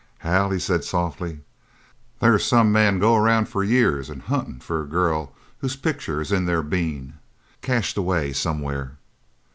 "Hal," he said softly, "they's some men go around for years an' huntin' for a girl whose picture is in their bean, cached away somewhere.